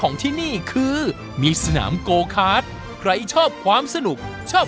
เนี่ยข้ีก็แค่เลี้ยวข้างจอด